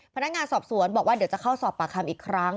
พนักงานสอบสวนบอกว่าเดี๋ยวจะเข้าสอบปากคำอีกครั้ง